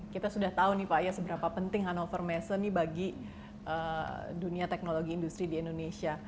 kita sudah tahu nih pak ya seberapa penting hannover messe nih bagi dunia teknologi industri di indonesia